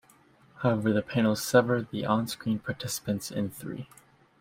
However, the panels sever the onscreen participants in three.